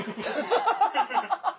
アハハハ！